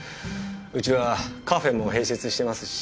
うちはカフェも併設してますし。